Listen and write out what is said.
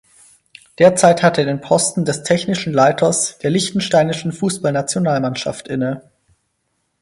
Derzeit hat er den Posten des Technischen Leiters der liechtensteinischen Fußballnationalmannschaft inne.